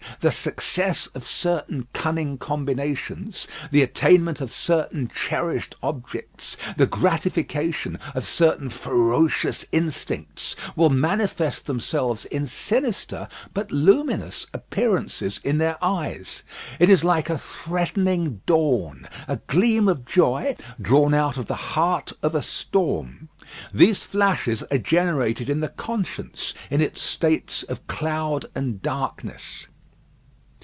The success of certain cunning combinations, the attainment of certain cherished objects, the gratification of certain ferocious instincts, will manifest themselves in sinister but luminous appearances in their eyes. It is like a threatening dawn, a gleam of joy drawn out of the heart of a storm. These flashes are generated in the conscience in its states of cloud and darkness.